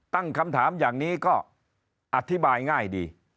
ตั้งคำถามอย่างนี้ก็อธิบายง่ายดี